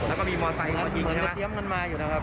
แล้วก็มีมอเตรียมกันมาอยู่นะครับ